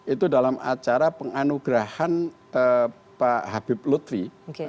itu dalam acara penganugerahan pak habib lutfi